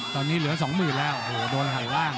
ตอนนี้เหลือ๒๐๐๐๐แล้วโหโหโหโดนหายว่าง